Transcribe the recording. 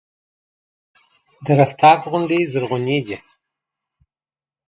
د رستاق غونډۍ زرغونې دي